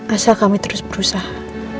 asal kami terus berusaha